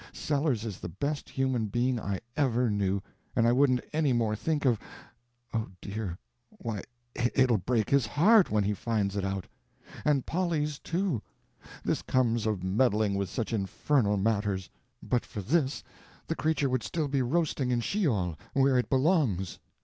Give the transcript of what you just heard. Sellers is the best human being I ever knew and I wouldn't any more think of—oh, dear, why it'll break his heart when he finds it out. And Polly's too. This comes of meddling with such infernal matters! But for this, the creature would still be roasting in Sheol where it belongs.